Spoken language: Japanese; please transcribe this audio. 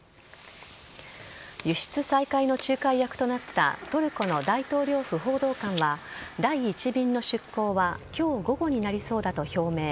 輸出再開の仲介役となったトルコの大統領府報道官は、第１便の出港はきょう午後になりそうだと表明。